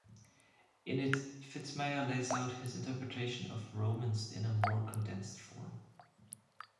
In it Fitzmyer lays out his interpretation of Romans in a more condensed form.